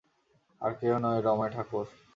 আর কেহ নহে, রমাই ঠাকুর!